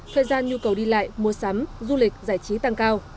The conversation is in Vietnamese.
thời gian nhu cầu đi lại mua sắm du lịch giải trí tăng cao